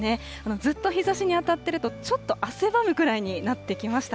ずっと日ざしに当たってると、ちょっと汗ばむくらいになってきました。